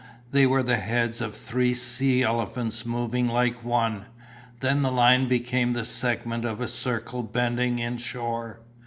They were the heads of three sea elephants moving like one. Then the line became the segment of a circle bending in shore.